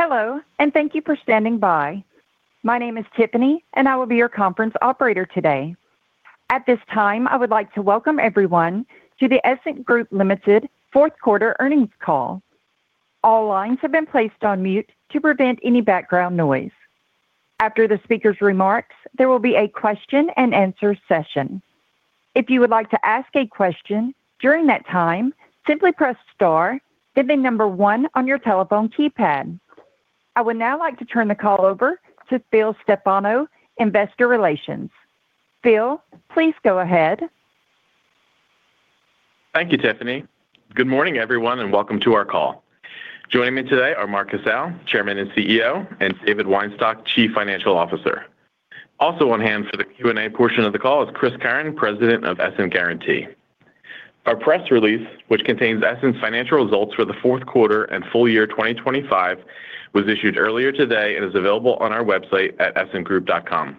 Hello, and thank you for standing by. My name is Tiffany, and I will be your conference operator today. At this time, I would like to welcome everyone to the Essent Group Limited fourth quarter earnings call. All lines have been placed on mute to prevent any background noise. After the speaker's remarks, there will be a question-and-answer session. If you would like to ask a question during that time, simply press star, then the number one on your telephone keypad. I would now like to turn the call over to Phil Stefano, Investor Relations. Phil, please go ahead. Thank you, Tiffany. Good morning, everyone, and welcome to our call. Joining me today are Mark Casale, Chairman and CEO, and David Weinstock, Chief Financial Officer. Also on hand for the Q&A portion of the call is Chris Curran, President of Essent Guaranty. Our press release, which contains Essent's financial results for the fourth quarter and full year 2025, was issued earlier today and is available on our website at essentgroup.com.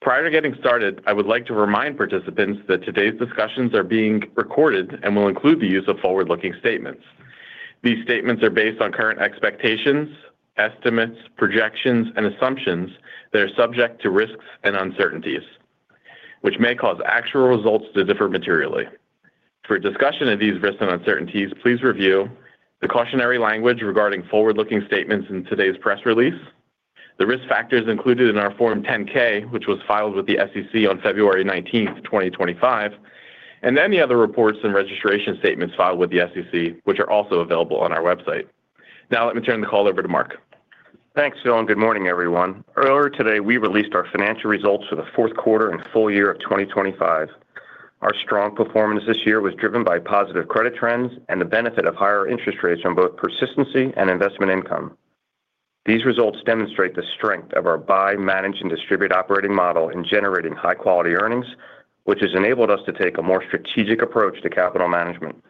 Prior to getting started, I would like to remind participants that today's discussions are being recorded and will include the use of forward-looking statements. These statements are based on current expectations, estimates, projections, and assumptions that are subject to risks and uncertainties, which may cause actual results to differ materially. For a discussion of these risks and uncertainties, please review the cautionary language regarding forward-looking statements in today's press release, the risk factors included in our Form 10-K, which was filed with the SEC on February 19, 2025, and any other reports and registration statements filed with the SEC, which are also available on our website. Now, let me turn the call over to Mark. Thanks, Phil, and good morning, everyone. Earlier today, we released our financial results for the fourth quarter and full year of 2025. Our strong performance this year was driven by positive credit trends and the benefit of higher interest rates from both persistency and investment income. These results demonstrate the strength of our buy, manage, and distribute operating model in generating high-quality earnings, which has enabled us to take a more strategic approach to capital management.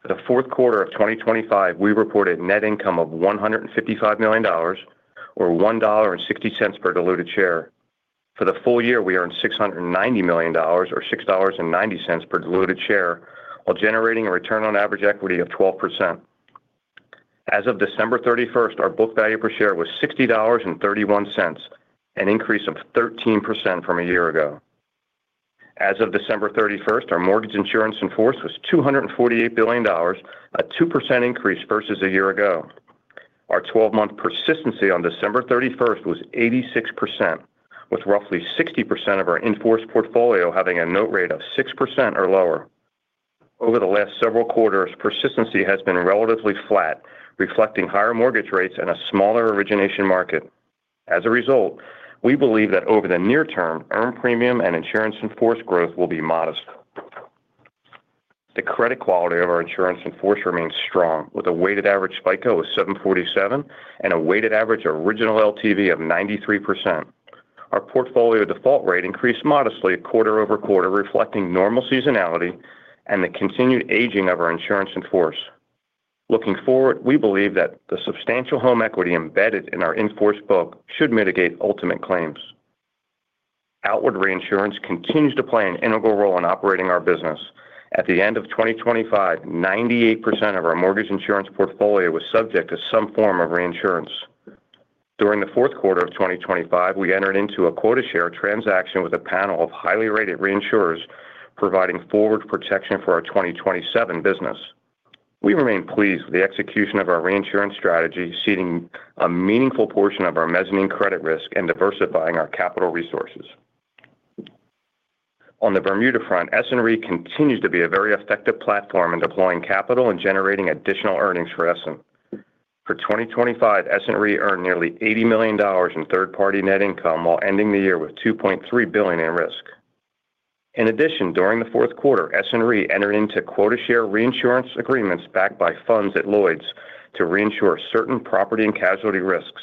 For the fourth quarter of 2025, we reported net income of $155 million or $1.60 per diluted share. For the full year, we earned $690 million or $6.90 per diluted share, while generating a return on average equity of 12%. As of December 31, our book value per share was $60.31, an increase of 13% from a year ago. As of December 31, our mortgage insurance in force was $248 billion, a 2% increase versus a year ago. Our 12-month persistency on December 31 was 86%, with roughly 60% of our in-force portfolio having a note rate of 6% or lower. Over the last several quarters, persistency has been relatively flat, reflecting higher mortgage rates and a smaller origination market. As a result, we believe that over the near term, earned premium and insurance in-force growth will be modest. The credit quality of our insurance in force remains strong, with a weighted average FICO of 747 and a weighted average original LTV of 93%. Our portfolio default rate increased modestly quarter over quarter, reflecting normal seasonality and the continued aging of our insurance in force. Looking forward, we believe that the substantial home equity embedded in our in-force book should mitigate ultimate claims. Outward reinsurance continues to play an integral role in operating our business. At the end of 2025, 98% of our mortgage insurance portfolio was subject to some form of reinsurance. During the fourth quarter of 2025, we entered into a quota share transaction with a panel of highly rated reinsurers, providing forward protection for our 2027 business. We remain pleased with the execution of our reinsurance strategy, ceding a meaningful portion of our mezzanine credit risk and diversifying our capital resources. On the Bermuda front, Essent Re continues to be a very effective platform in deploying capital and generating additional earnings for Essent. For 2025, Essent Re earned nearly $80 million in third-party net income while ending the year with $2.3 billion in risk. In addition, during the fourth quarter, Essent Re entered into quota share reinsurance agreements backed by funds at Lloyd's to reinsure certain property and casualty risks.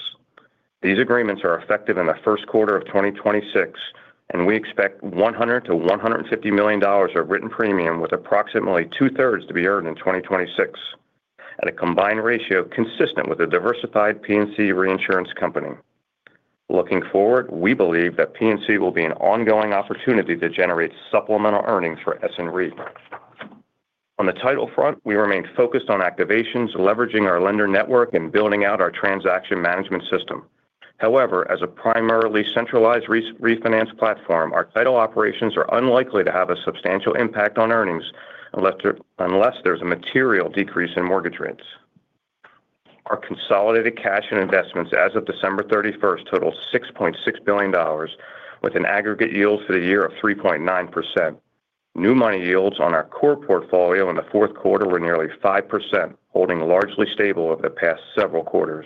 These agreements are effective in the first quarter of 2026, and we expect $100 million-$150 million of written premium, with approximately two-thirds to be earned in 2026, at a combined ratio consistent with a diversified P&C reinsurance company. Looking forward, we believe that P&C will be an ongoing opportunity to generate supplemental earnings for Essent Re. On the title front, we remain focused on activations, leveraging our lender network, and building out our transaction management system. However, as a primarily centralized rerefinance platform, our title operations are unlikely to have a substantial impact on earnings unless there's a material decrease in mortgage rates. Our consolidated cash and investments as of December 31st total $6.6 billion, with an aggregate yield for the year of 3.9%. New money yields on our core portfolio in the fourth quarter were nearly 5%, holding largely stable over the past several quarters.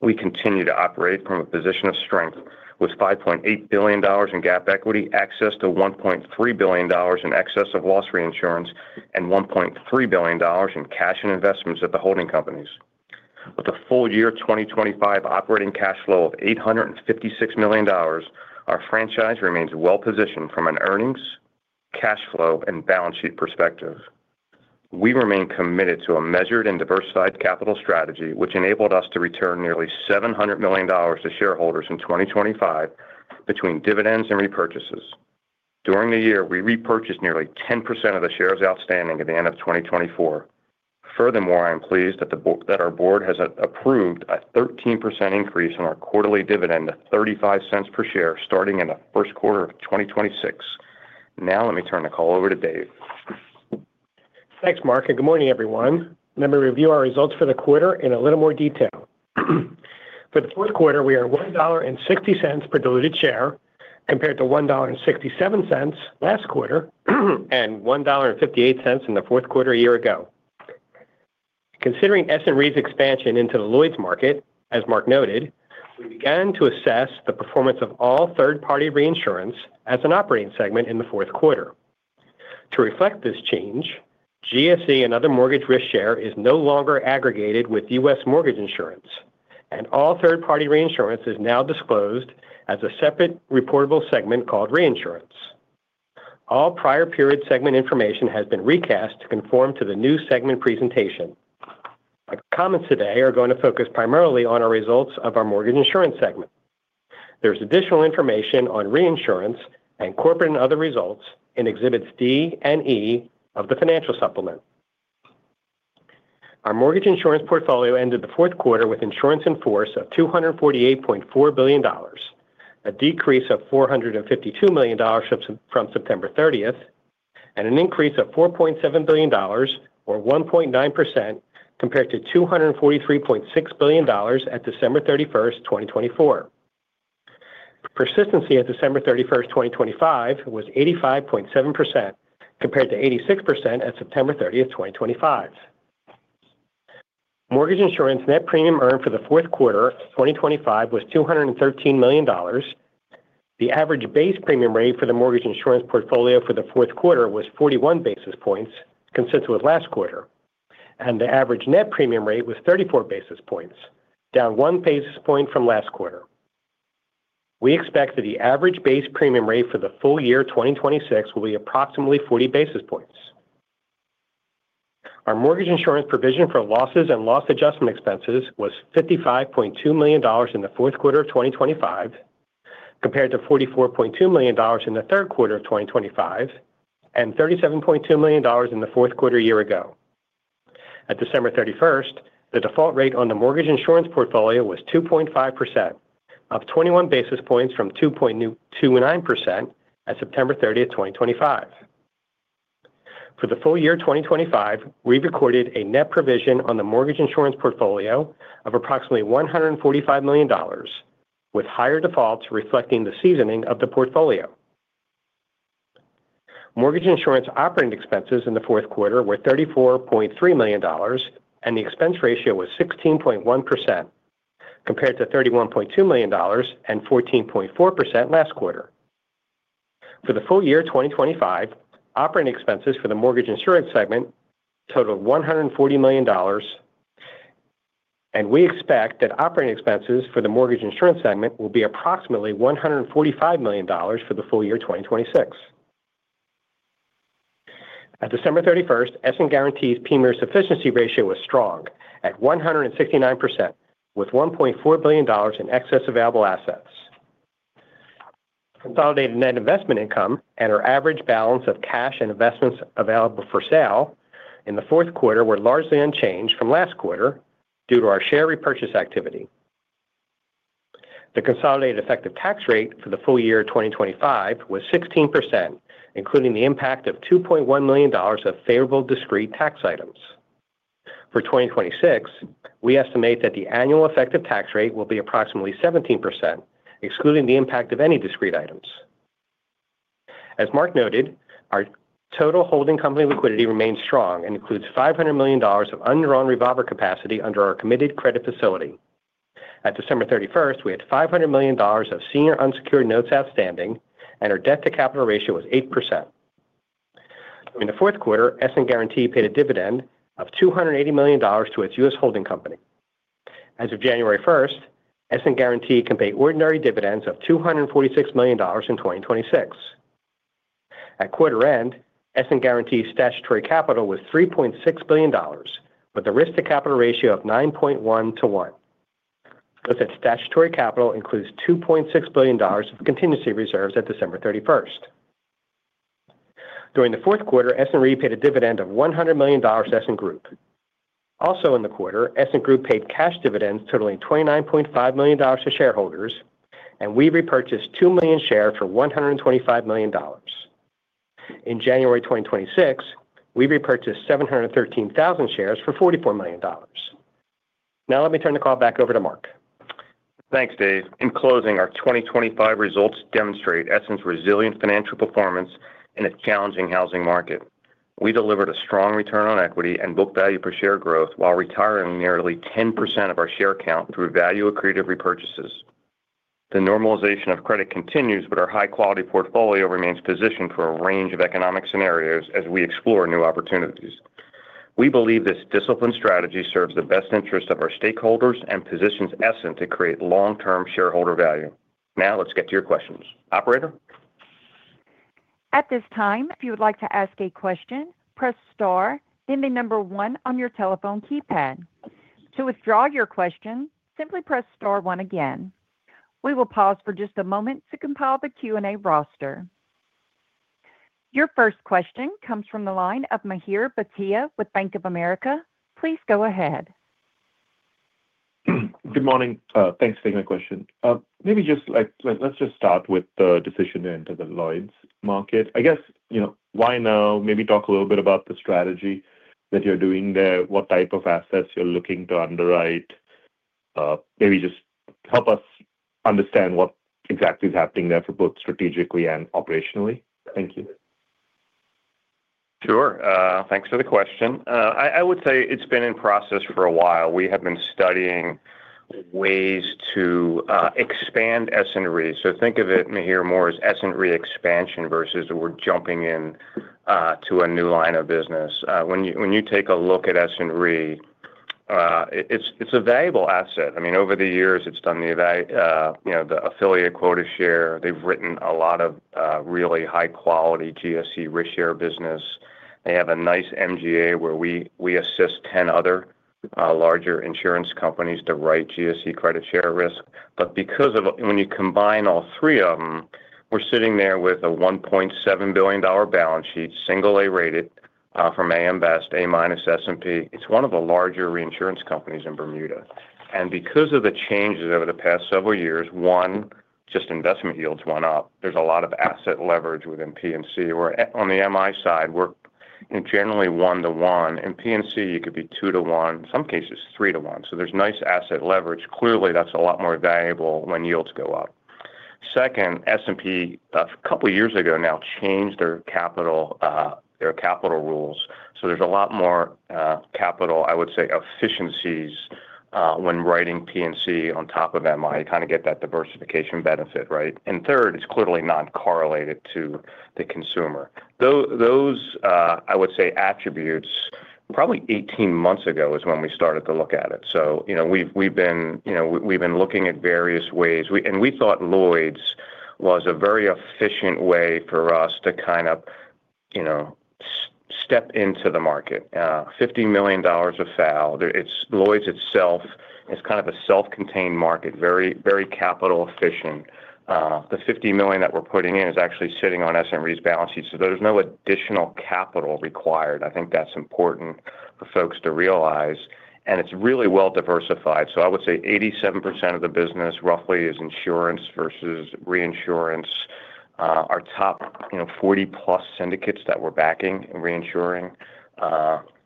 We continue to operate from a position of strength with $5.8 billion in GAAP equity, access to $1.3 billion in excess of loss reinsurance, and $1.3 billion in cash and investments at the holding companies. With a full year 2025 operating cash flow of $856 million, our franchise remains well-positioned from an earnings, cash flow, and balance sheet perspective. We remain committed to a measured and diversified capital strategy, which enabled us to return nearly $700 million to shareholders in 2025 between dividends and repurchases.... During the year, we repurchased nearly 10% of the shares outstanding at the end of 2024. Furthermore, I am pleased that the Board, that our Board has approved a 13% increase in our quarterly dividend to $0.35 per share, starting in the first quarter of 2026. Now, let me turn the call over to Dave. Thanks, Mark, and good morning, everyone. Let me review our results for the quarter in a little more detail. For the fourth quarter, we are $1.60 per diluted share, compared to $1.67 last quarter, and $1.58 in the fourth quarter a year ago. Considering Essent Re's expansion into the Lloyd's market, as Mark noted, we began to assess the performance of all third-party reinsurance as an operating segment in the fourth quarter. To reflect this change, GSE and other mortgage risk share is no longer aggregated with U.S. mortgage insurance, and all third-party reinsurance is now disclosed as a separate reportable segment called reinsurance. All prior period segment information has been recast to conform to the new segment presentation. My comments today are going to focus primarily on our results of our mortgage insurance segment. There's additional information on reinsurance and corporate and other results in exhibits D and E of the financial supplement. Our mortgage insurance portfolio ended the fourth quarter with insurance in force of $248.4 billion, a decrease of $452 million from September 30, and an increase of $4.7 billion or 1.9% compared to $243.6 billion at December 31, 2024. Persistency at December 31, 2025, was 85.7%, compared to 86% at September 30, 2025. Mortgage insurance net premium earned for the fourth quarter of 2025 was $213 million. The average base premium rate for the mortgage insurance portfolio for the fourth quarter was 41 basis points, consistent with last quarter, and the average net premium rate was 34 basis points, down 1 basis point from last quarter. We expect that the average base premium rate for the full year 2026 will be approximately 40 basis points. Our mortgage insurance provision for losses and loss adjustment expenses was $55.2 million in the fourth quarter of 2025, compared to $44.2 million in the third quarter of 2025, and $37.2 million in the fourth quarter a year ago. At December 31, the default rate on the mortgage insurance portfolio was 2.5%, up 21 basis points from 2.29% at September 30, 2025. For the full year 2025, we've recorded a net provision on the mortgage insurance portfolio of approximately $145 million, with higher defaults reflecting the seasoning of the portfolio. Mortgage insurance operating expenses in the fourth quarter were $34.3 million, and the expense ratio was 16.1%, compared to $31.2 million and 14.4% last quarter. For the full year 2025, operating expenses for the mortgage insurance segment totaled $140 million, and we expect that operating expenses for the mortgage insurance segment will be approximately $145 million for the full year 2026. At December 31, Essent Guaranty's PMIERs sufficiency ratio was strong at 169%, with $1.4 billion in excess available assets. Consolidated net investment income and our average balance of cash and investments available for sale in the fourth quarter were largely unchanged from last quarter due to our share repurchase activity. The consolidated effective tax rate for the full year 2025 was 16%, including the impact of $2.1 million of favorable discrete tax items. For 2026, we estimate that the annual effective tax rate will be approximately 17%, excluding the impact of any discrete items. As Mark noted, our total holding company liquidity remains strong and includes $500 million of undrawn revolver capacity under our committed credit facility. At December 31, we had $500 million of senior unsecured notes outstanding, and our debt-to-capital ratio was 8%. In the fourth quarter, Essent Guaranty paid a dividend of $280 million to its U.S. holding company. As of January first, Essent Guaranty can pay ordinary dividends of $246 million in 2026. At quarter end, Essent Guaranty's statutory capital was $3.6 billion, with a risk-to-capital ratio of 9.1 to 1. With its statutory capital includes $2.6 billion of contingency reserves at December 31st. During the fourth quarter, Essent Re paid a dividend of $100 million to Essent Group. Also in the quarter, Essent Group paid cash dividends totaling $29.5 million to shareholders, and we repurchased 2 million shares for $125 million. In January 2026, we repurchased 713,000 shares for $44 million. Now, let me turn the call back over to Mark. Thanks, Dave. In closing, our 2025 results demonstrate Essent's resilient financial performance in a challenging housing market. We delivered a strong return on equity and book value per share growth while retiring nearly 10% of our share count through value accretive repurchases. The normalization of credit continues, but our high-quality portfolio remains positioned for a range of economic scenarios as we explore new opportunities. We believe this disciplined strategy serves the best interest of our stakeholders and positions Essent to create long-term shareholder value. Now, let's get to your questions. Operator? At this time, if you would like to ask a question, press star, then the number one on your telephone keypad. To withdraw your question, simply press star one again. We will pause for just a moment to compile the Q&A roster. Your first question comes from the line of Mihir Bhatia with Bank of America. Please go ahead. Good morning. Thanks for taking my question. Maybe just like, let's just start with the decision to enter the Lloyd's market. I guess, you know, why now? Maybe talk a little bit about the strategy that you're doing there, what type of assets you're looking to underwrite. Maybe just help us understand what exactly is happening there for both strategically and operationally. Thank you. Sure. Thanks for the question. I would say it's been in process for a while. We have been studying ways to expand Essent Re. So think of it, Mihir, more as Essent Re expansion versus we're jumping in to a new line of business. When you take a look at Essent Re, it's a valuable asset. I mean, over the years, it's done you know, the affiliate quota share. They've written a lot of really high-quality GSE risk share business. They have a nice MGA where we assist 10 other larger insurance companies to write GSE credit share risk. But because of... When you combine all three of them, we're sitting there with a $1.7 billion balance sheet, single A-rated from AM Best, A- Essent Re. It's one of the larger reinsurance companies in Bermuda, and because of the changes over the past several years, one, just investment yields went up. There's a lot of asset leverage within P&C, where on the MI side, we're generally 1 to 1. In P&C, you could be 2 to 1, some cases, 3 to 1. So there's nice asset leverage. Clearly, that's a lot more valuable when yields go up. Second, Essent Re, a couple of years ago now, changed their capital, their capital rules, so there's a lot more capital, I would say, efficiencies when writing P&C on top of MI, kind of get that diversification benefit, right? And third, it's clearly not correlated to the consumer. Those, I would say, attributes, probably 18 months ago is when we started to look at it. So, you know, we've, we've been, you know, we've been looking at various ways. And we thought Lloyd's was a very efficient way for us to kind of, you know, step into the market. $50 million of FAL. It's Lloyd's itself is kind of a self-contained market, very, very capital efficient. The $50 million that we're putting in is actually sitting on Essent Re's balance sheet, so there's no additional capital required. I think that's important for folks to realize, and it's really well diversified. So I would say 87% of the business, roughly, is insurance versus reinsurance. Our top, you know, 40+ syndicates that we're backing and reinsuring,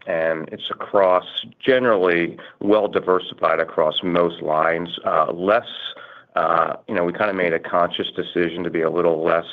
and it's across generally well diversified across most lines. You know, we kind of made a conscious decision to be a little less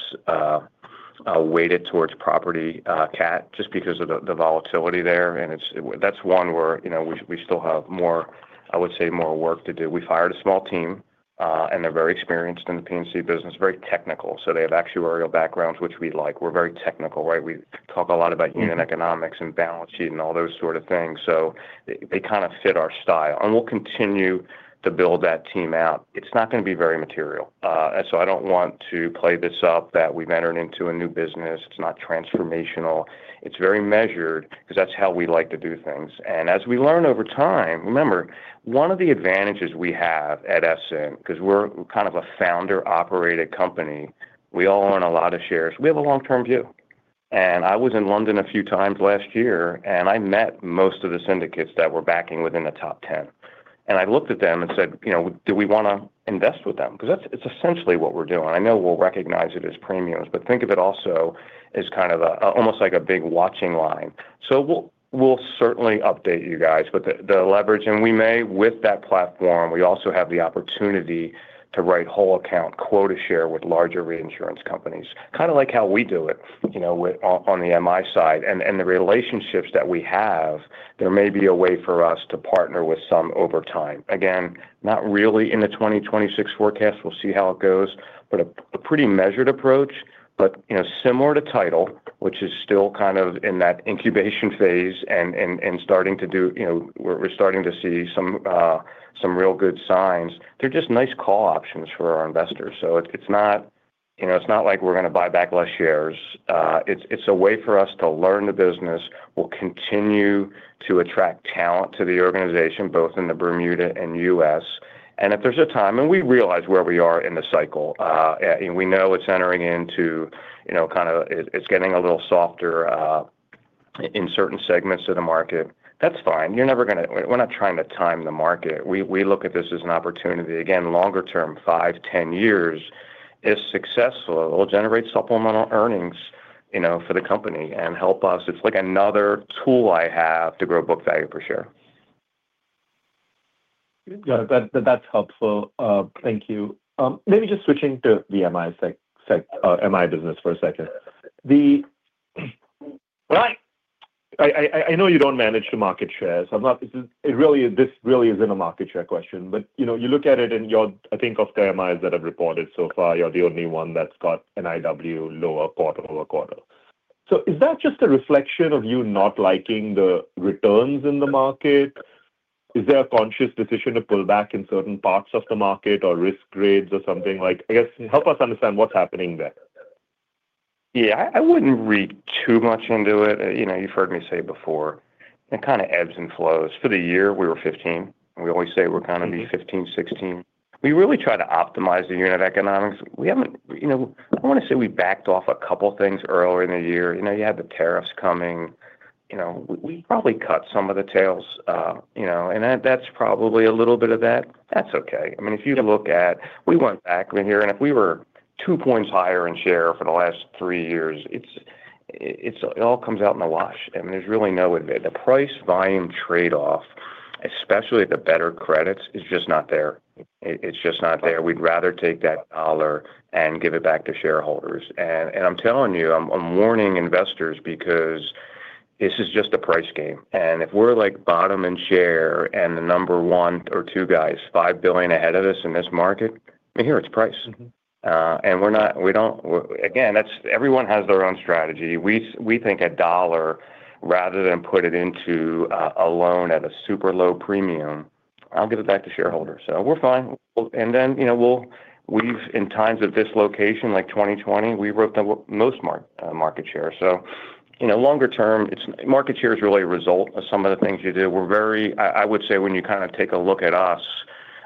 weighted towards property cat, just because of the volatility there, and it's, that's one where, you know, we still have more, I would say, more work to do. We hired a small team, and they're very experienced in the P&C business, very technical, so they have actuarial backgrounds, which we like. We're very technical, right? We talk a lot about unit economics and balance sheet and all those sort of things, so they kind of fit our style, and we'll continue to build that team out. It's not going to be very material, and so I don't want to play this up that we've entered into a new business. It's not transformational. It's very measured because that's how we like to do things. As we learn over time... Remember, one of the advantages we have at Essent, because we're kind of a founder-operated company, we all own a lot of shares. We have a long-term view. I was in London a few times last year, and I met most of the syndicates that we're backing within the top 10. I looked at them and said, "You know, do we want to invest with them?" Because that's, it's essentially what we're doing. I know we'll recognize it as premiums, but think of it also as kind of a, almost like a big watching line. So we'll, we'll certainly update you guys, but the, the leverage, and we may, with that platform, we also have the opportunity to write whole account quota share with larger reinsurance companies. Kind of like how we do it, you know, with on the MI side and the relationships that we have, there may be a way for us to partner with some over time. Again, not really in the 2026 forecast. We'll see how it goes, but a pretty measured approach. But, you know, similar to Title, which is still kind of in that incubation phase and starting to do—you know, we're starting to see some, some real good signs. They're just nice call options for our investors. So it's not, you know, it's not like we're going to buy back less shares. It's a way for us to learn the business. We'll continue to attract talent to the organization, both in Bermuda and U.S. And if there's a time, and we realize where we are in the cycle, and we know it's entering into, you know, kind of it's getting a little softer in certain segments of the market. That's fine. You're never gonna. We're not trying to time the market. We look at this as an opportunity. Again, longer term, 5-10 years, if successful, it will generate supplemental earnings, you know, for the company and help us. It's like another tool I have to grow book value per share. Yeah, that's helpful. Thank you. Maybe just switching to the MI segment for a second. Well, I know you don't manage the market share, so I'm not. It really isn't a market share question, but, you know, you look at it, and you're, I think, of the MIs that have reported so far, you're the only one that's got NIW lower quarter-over-quarter. So is that just a reflection of you not liking the returns in the market? Is there a conscious decision to pull back in certain parts of the market or risk grades or something like? I guess, help us understand what's happening there? Yeah, I wouldn't read too much into it. You know, you've heard me say before, it kind of ebbs and flows. For the year, we were 15, and we always say we're kind of be 15, 16. We really try to optimize the unit economics. We haven't-- You know, I want to say we backed off a couple things earlier in the year. You know, you had the tariffs coming. You know, we probably cut some of the tails, you know, and that, that's probably a little bit of that. That's okay. I mean, if you look at... We went back in here, and if we were 2 points higher in share for the last three years, it's, it, it all comes out in the wash, and there's really no... The price volume trade-off, especially the better credits, is just not there. It, it's just not there. We'd rather take that dollar and give it back to shareholders. And I'm telling you, I'm warning investors because this is just a price game, and if we're like bottom in share and the number one or two guys, $5 billion ahead of us in this market, I mean, here it's price. And we're not. We don't. Again, that's everyone has their own strategy. We think a dollar rather than put it into a loan at a super low premium, I'll give it back to shareholders. So we're fine. Well, and then, you know, we'll lead in times of dislocation like 2020, we wrote the most market share. So, you know, longer term, it's market share is really a result of some of the things you do. We're very... I would say when you kind of take a look at us,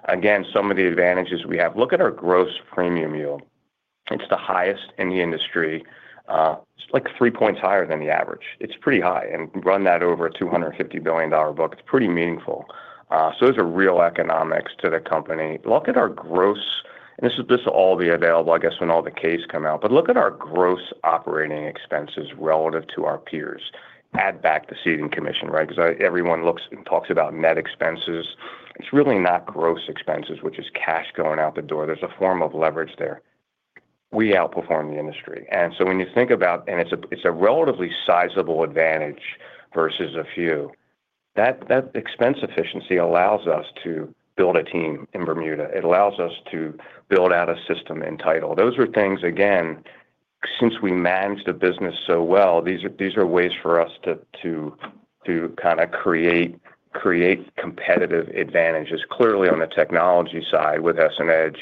again, some of the advantages we have. Look at our gross premium yield. It's the highest in the industry. It's like 3 points higher than the average. It's pretty high, and run that over a $250 billion book, it's pretty meaningful. So there's a real economics to the company. Look at our gross. This will, this will all be available, I guess, when all the 10-Ks come out, but look at our gross operating expenses relative to our peers. Add back the ceding commission, right? Because everyone looks and talks about net expenses. It's really not gross expenses, which is cash going out the door. There's a form of leverage there. We outperform the industry. And so when you think about. It's a relatively sizable advantage versus a few. That expense efficiency allows us to build a team in Bermuda. It allows us to build out a system in title. Those are things, again, since we managed the business so well, these are ways for us to kind of create competitive advantages. Clearly, on the technology side with EssentEDGE,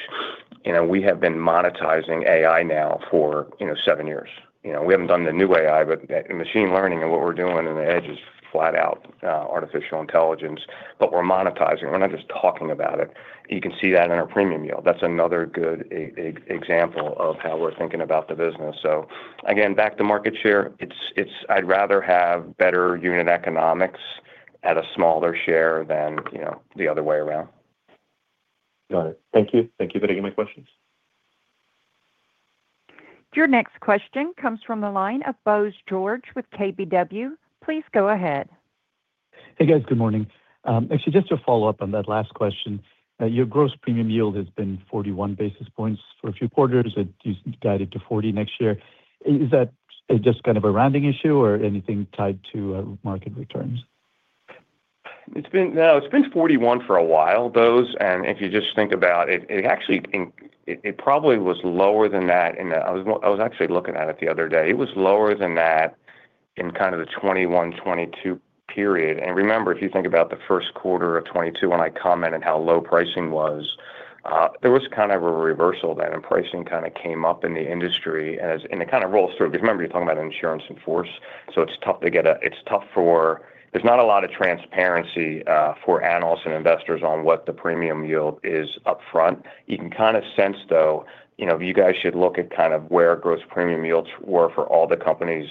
you know, we have been monetizing AI now for, you know, seven years. You know, we haven't done the new AI, but the machine learning and what we're doing in the Edge is flat out artificial intelligence, but we're monetizing. We're not just talking about it. You can see that in our premium yield. That's another good example of how we're thinking about the business. So again, back to market share, it's, I'd rather have better unit economics at a smaller share than, you know, the other way around. Got it. Thank you. Thank you for taking my questions. Your next question comes from the line of Bose George with KBW. Please go ahead. Hey, guys. Good morning. Actually, just to follow up on that last question, your gross premium yield has been 41 basis points for a few quarters, but you guided to 40 next year. Is that just kind of a rounding issue or anything tied to market returns? It's been. No, it's been 41 for a while, Bose, and if you just think about it, it actually probably was lower than that in the. I was actually looking at it the other day. It was lower than that in kind of the 2021, 2022 period. And remember, if you think about the first quarter of 2022, when I commented how low pricing was, there was kind of a reversal then, and pricing kind of came up in the industry as, and it kind of rolls through. Because remember, you're talking about insurance in force, so it's tough to get a. It's tough for. There's not a lot of transparency for analysts and investors on what the premium yield is upfront. You can kind of sense, though, you know, you guys should look at kind of where gross premium yields were for all the companies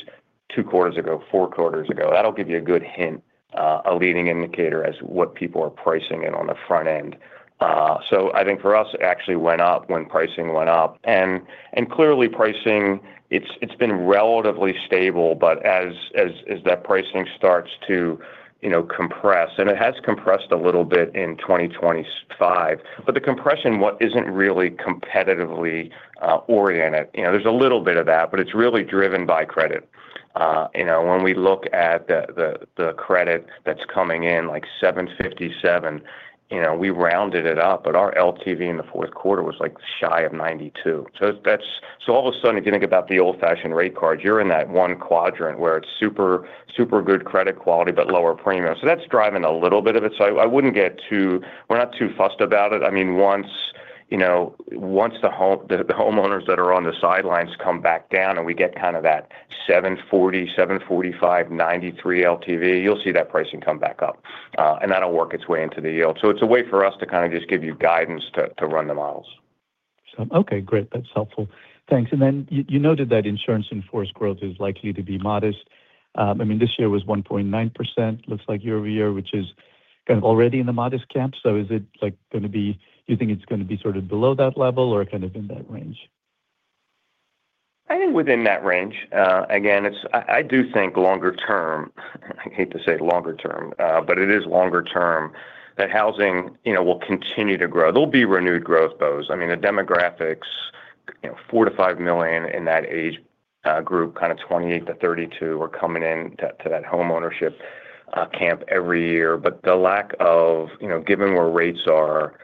two quarters ago, four quarters ago. That'll give you a good hint, a leading indicator as to what people are pricing in on the front end. So I think for us, it actually went up when pricing went up. And clearly, pricing, it's, it's been relatively stable, but as, as, as that pricing starts to, you know, compress, and it has compressed a little bit in 2025, but the compression, what isn't really competitively oriented. You know, there's a little bit of that, but it's really driven by credit. You know, when we look at the credit that's coming in, like 757, you know, we rounded it up, but our LTV in the fourth quarter was, like, shy of 92. So that's. So all of a sudden, if you think about the old-fashioned rate card, you're in that one quadrant where it's super, super good credit quality, but lower premium. So that's driving a little bit of it. So I wouldn't get too... We're not too fussed about it. I mean, once, you know, once the home, the homeowners that are on the sidelines come back down and we get kind of that 740, 745, 93 LTV, you'll see that pricing come back up, and that'll work its way into the yield. So it's a way for us to kind of just give you guidance to run the models. So okay, great. That's helpful. Thanks. And then you noted that insurance in force growth is likely to be modest. I mean, this year was 1.9%. Looks like year-over-year, which is kind of already in the modest camp. So is it, like, gonna be... Do you think it's gonna be sort of below that level or kind of in that range? I think within that range. Again, it's—I do think longer term, I hate to say longer term, but it is longer term, that housing, you know, will continue to grow. There'll be renewed growth, Bose. I mean, the demographics, you know, 4 million-5 million in that age group, kind of 28-32, are coming in to that homeownership camp every year. But the lack of, you know, given where rates are,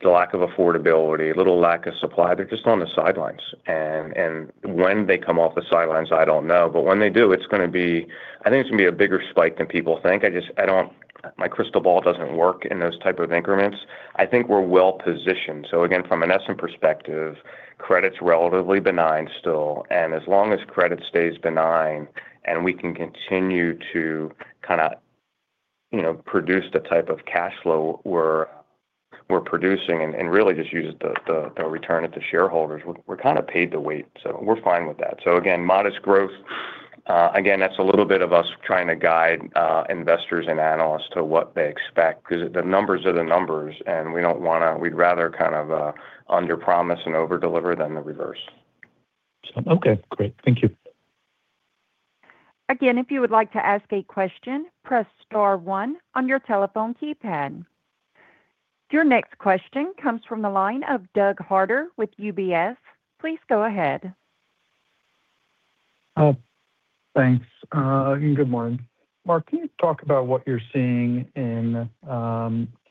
the lack of affordability, little lack of supply, they're just on the sidelines. And when they come off the sidelines, I don't know, but when they do, it's gonna be... I think it's gonna be a bigger spike than people think. I just don't... my crystal ball doesn't work in those type of increments. I think we're well positioned. So again, from an Essent perspective, credit's relatively benign still, and as long as credit stays benign and we can continue to kind of, you know, produce the type of cash flow we're producing and really just use the return of the shareholders, we're kind of paid to wait, so we're fine with that. So again, modest growth. Again, that's a little bit of us trying to guide investors and analysts to what they expect, 'cause the numbers are the numbers, and we don't wanna-- we'd rather kind of underpromise and overdeliver than the reverse. Okay, great. Thank you. Again, if you would like to ask a question, press star one on your telephone keypad. Your next question comes from the line of Douglas Harter with UBS. Please go ahead. Thanks, and good morning. Mark, can you talk about what you're seeing in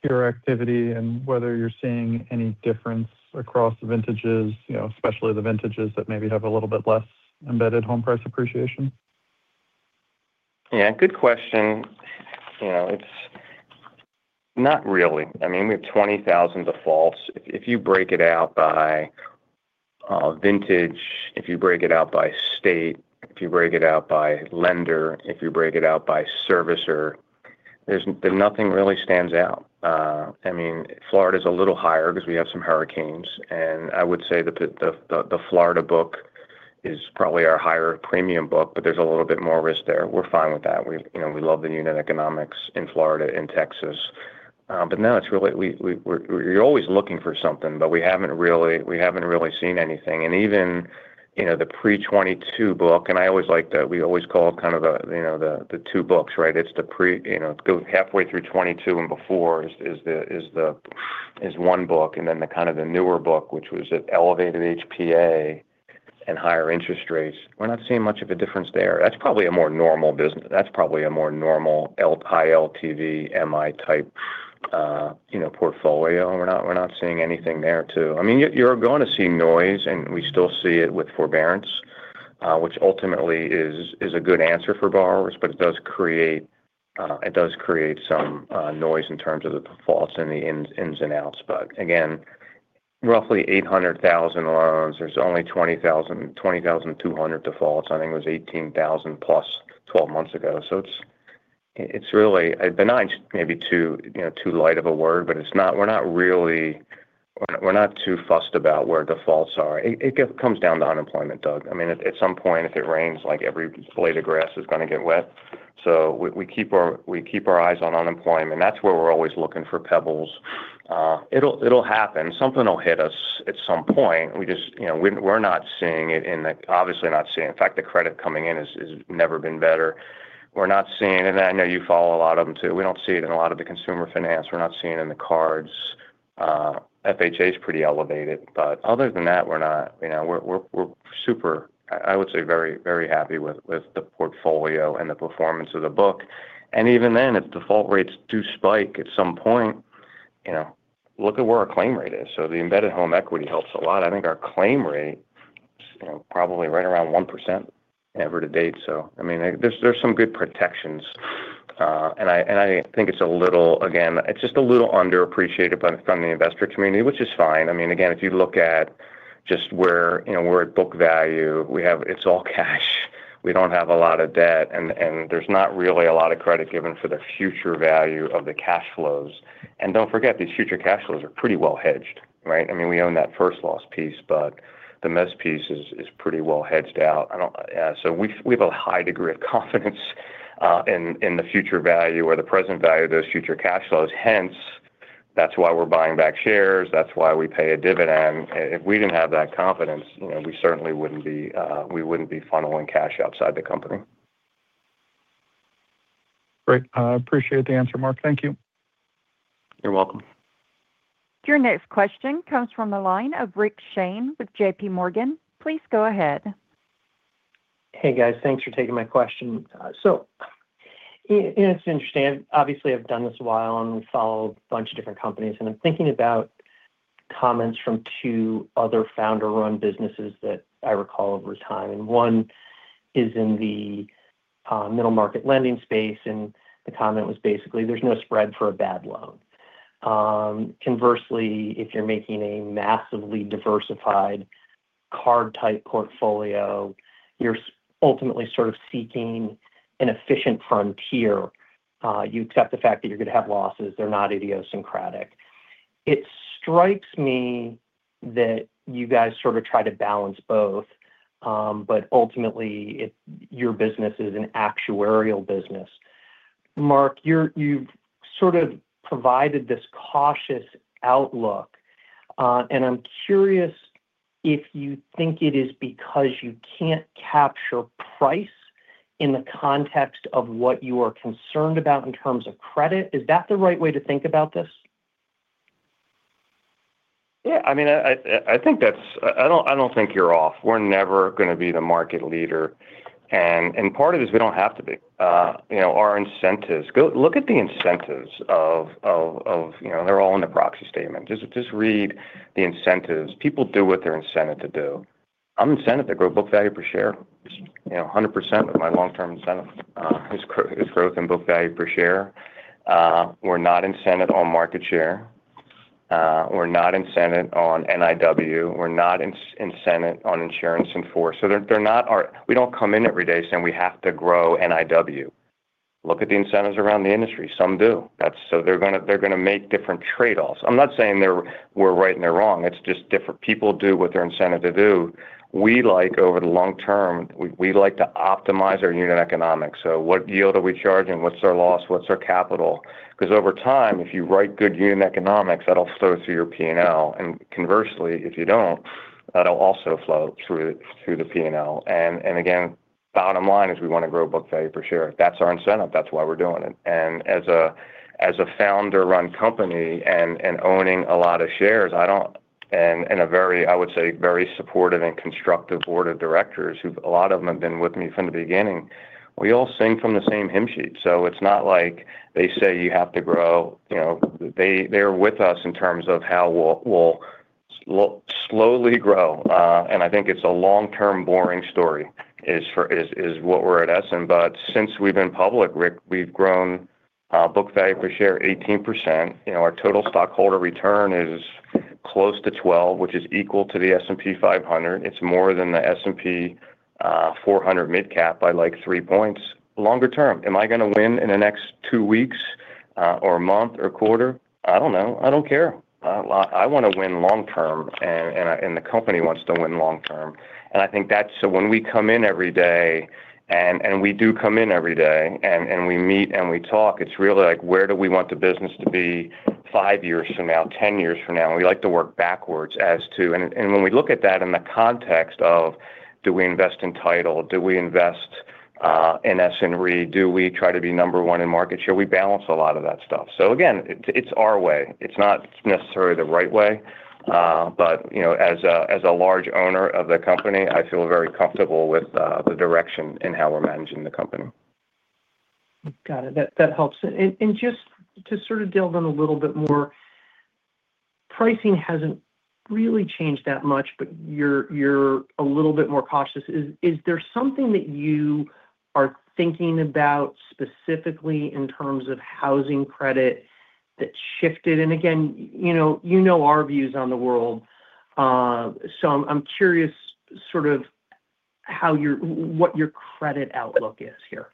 your activity and whether you're seeing any difference across the vintages, you know, especially the vintages that maybe have a little bit less embedded home price appreciation? Yeah, good question. You know, it's not really. I mean, we have 20,000 defaults. If you break it out by vintage, if you break it out by state, if you break it out by lender, if you break it out by servicer, there's nothing really stands out. I mean, Florida's a little higher 'cause we have some hurricanes, and I would say that the Florida book is probably our higher premium book, but there's a little bit more risk there. We're fine with that. We, you know, we love the unit economics in Florida and Texas. But no, it's really we, we're you're always looking for something, but we haven't really, we haven't really seen anything. And even, you know, the pre-2022 book, and I always like to we always call kind of the, you know, the two books, right? It's the pre, you know, it goes halfway through 2022 and before is one book, and then the kind of the newer book, which was at elevated HPA and higher interest rates. We're not seeing much of a difference there. That's probably a more normal business. That's probably a more normal high LTV, MI type, you know, portfolio. We're not, we're not seeing anything there too. I mean, you're, you're going to see noise, and we still see it with forbearance, which ultimately is a good answer for borrowers, but it does create some noise in terms of the defaults and the ins and outs. But again, roughly 800,000 loans, there's only 20,200 defaults. I think it was 18,000+ 12 months ago. So it's, it's really... Benign, maybe too, you know, too light of a word, but it's not. We're not really, we're not too fussed about where defaults are. It comes down to unemployment, Doug. I mean, at some point, if it rains, like, every blade of grass is gonna get wet. So we keep our eyes on unemployment. That's where we're always looking for pebbles. It'll happen. Something will hit us at some point. We just, you know, we're not seeing it in the, obviously not seeing. In fact, the credit coming in is never been better. We're not seeing, and I know you follow a lot of them, too. We don't see it in a lot of the consumer finance. We're not seeing it in the cards. FHA is pretty elevated, but other than that, we're not, you know, we're super. I would say very, very happy with the portfolio and the performance of the book. And even then, if default rates do spike at some point, you know, look at where our claim rate is. So the embedded home equity helps a lot. I think our claim rate is, you know, probably right around 1% ever to date. So, I mean, there's some good protections, and I think it's a little, again, it's just a little underappreciated from the investor community, which is fine. I mean, again, if you look at just where, you know, we're at book value, we have, it's all cash. We don't have a lot of debt, and there's not really a lot of credit given for the future value of the cash flows. And don't forget, these future cash flows are pretty well hedged, right? I mean, we own that first loss piece, but the mezz piece is pretty well hedged out. I don't, so we've a high degree of confidence in the future value or the present value of those future cash flows. Hence, that's why we're buying back shares, that's why we pay a dividend. If we didn't have that confidence, you know, we certainly wouldn't be, we wouldn't be funneling cash outside the company. Great. I appreciate the answer, Mark. Thank you. You're welcome. Your next question comes from the line of Rick Shane with JPMorgan. Please go ahead. Hey, guys. Thanks for taking my question. So it's interesting, obviously. I've done this a while and followed a bunch of different companies, and I'm thinking about comments from two other founder-run businesses that I recall over time, and one is in the middle market lending space, and the comment was basically: There's no spread for a bad loan. Conversely, if you're making a massively diversified card-type portfolio, you're ultimately sort of seeking an efficient frontier. You accept the fact that you're gonna have losses. They're not idiosyncratic. It strikes me that you guys sort of try to balance both, but ultimately, your business is an actuarial business. Mark, you've sort of provided this cautious outlook, and I'm curious if you think it is because you can't capture price in the context of what you are concerned about in terms of credit. Is that the right way to think about this? Yeah, I mean, I think that's... I don't think you're off. We're never gonna be the market leader, and part of it is we don't have to be. You know, our incentives—go look at the incentives of, you know, they're all in the proxy statement. Just read the incentives. People do what they're incented to do.... I'm incented to grow book value per share. You know, 100% of my long-term incentive is growth in book value per share. We're not incented on market share, we're not incented on NIW, we're not incented on insurance in force. So they're not our— We don't come in every day saying we have to grow NIW. Look at the incentives around the industry. Some do. That's— So they're gonna make different trade-offs. I'm not saying they're, we're right and they're wrong; it's just different. People do what they're incented to do. We like, over the long term, we like to optimize our unit economics. So what yield are we charging? What's our loss? What's our capital? Because over time, if you write good unit economics, that'll flow through your P&L. And conversely, if you don't, that'll also flow through the P&L. And again, bottom line is, we wanna grow book value per share. That's our incentive. That's why we're doing it. And as a founder-run company and owning a lot of shares, I don't—and a very, I would say, very supportive and constructive Board of Directors, who a lot of them have been with me from the beginning, we all sing from the same hymn sheet. So it's not like they say you have to grow, you know, they're with us in terms of how we'll slowly grow. And I think it's a long-term, boring story, is what we're at Essent. But since we've been public, Rick, we've grown book value per share 18%. You know, our total stockholder return is close to 12%, which is equal to the S&P 500. It's more than the S&P 400 midcap by, like, three points. Longer term, am I gonna win in the next two weeks or a month, or a quarter? I don't know. I don't care. I wanna win long term, and the company wants to win long term. And I think that's so when we come in every day, and we do come in every day, and we meet and we talk, it's really like: Where do we want the business to be five years from now, ten years from now? We like to work backwards as to... And when we look at that in the context of, do we invest in title? Do we invest in Essent Re? Do we try to be number one in market share? We balance a lot of that stuff. So again, it's our way. It's not necessarily the right way, but you know, as a large owner of the company, I feel very comfortable with the direction and how we're managing the company. Got it. That helps. And just to sort of delve in a little bit more, pricing hasn't really changed that much, but you're a little bit more cautious. Is there something that you are thinking about specifically in terms of housing credit that shifted? And again, you know, you know our views on the world, so I'm curious sort of what your credit outlook is here?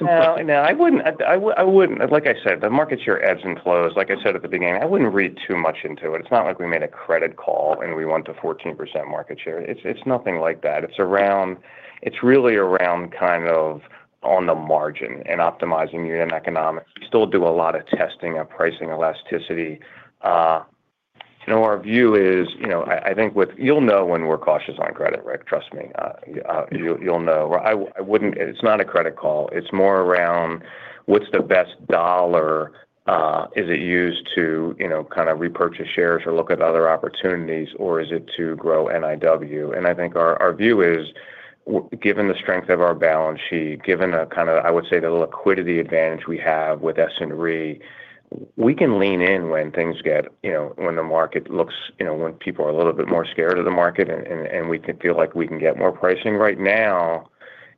Well, no, I wouldn't. Like I said, the market share ebbs and flows. Like I said at the beginning, I wouldn't read too much into it. It's not like we made a credit call and we want a 14% market share. It's, it's nothing like that. It's around. It's really around kind of on the margin and optimizing unit economics. We still do a lot of testing on pricing elasticity. You know, our view is, you know, I think with. You'll know when we're cautious on credit, Rick, trust me, you'll know. I wouldn't. It's not a credit call, it's more around what's the best dollar, is it used to, you know, kind of repurchase shares or look at other opportunities, or is it to grow NIW? I think our view is, given the strength of our balance sheet, given the kind of, I would say, the liquidity advantage we have with Essent Re, we can lean in when things get... You know, when the market looks-- You know, when people are a little bit more scared of the market, and we can feel like we can get more pricing. Right now,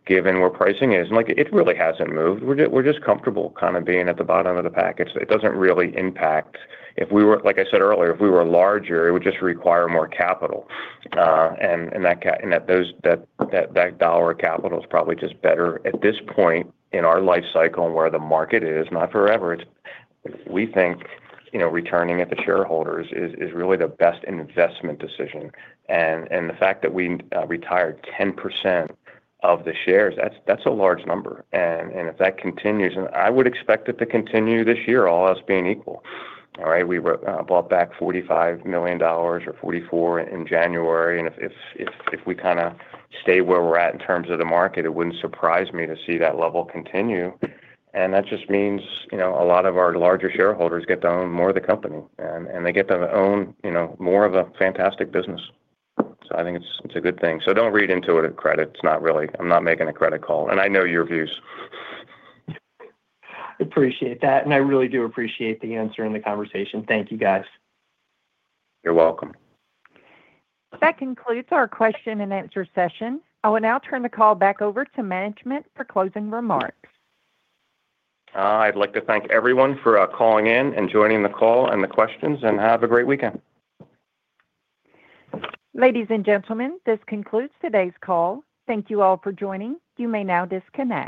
given where pricing is, and like, it really hasn't moved. We're just comfortable kind of being at the bottom of the package. It doesn't really impact... If we were-- Like I said earlier, if we were larger, it would just require more capital, and that dollar capital is probably just better. At this point in our life cycle and where the market is, not forever, it's—we think, you know, returning it to shareholders is really the best investment decision. And the fact that we retired 10% of the shares, that's a large number. And if that continues, and I would expect it to continue this year, all else being equal. All right, we bought back $45 million or $44 million in January, and if we kinda stay where we're at in terms of the market, it wouldn't surprise me to see that level continue. And that just means, you know, a lot of our larger shareholders get to own more of the company, and they get to own, you know, more of a fantastic business. So I think it's a good thing. So don't read into it a credit. It's not really, I'm not making a credit call, and I know your views. Appreciate that, and I really do appreciate the answer and the conversation. Thank you, guys. You're welcome. That concludes our question-and-answer session. I will now turn the call back over to management for closing remarks. I'd like to thank everyone for calling in and joining the call and the questions, and have a great weekend. Ladies and gentlemen, this concludes today's call. Thank you all for joining. You may now disconnect.